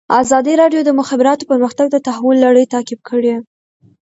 ازادي راډیو د د مخابراتو پرمختګ د تحول لړۍ تعقیب کړې.